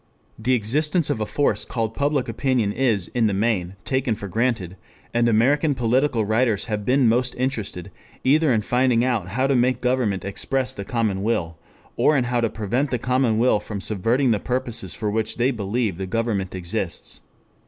The existence of a force called Public Opinion is in the main taken for granted, and American political writers have been most interested either in finding out how to make government express the common will, or in how to prevent the common will from subverting the purposes for which they believe the government exists.